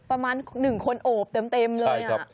ประมาณ๑คนอวบเต็มเลยนะครับใช่ครับ